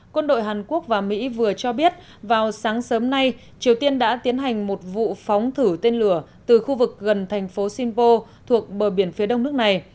quân đội hàn quốc và mỹ vừa cho biết vào sáng sớm nay triều tiên đã tiến hành một vụ phóng thử tên lửa từ khu vực gần thành phố shinpo thuộc bờ biển phía đông nước này